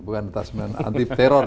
bukan detachment anti teror